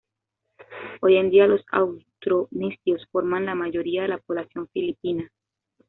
Hoy en día los austronesios forman la mayoría de la población filipina.